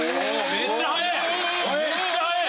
めっちゃ速い！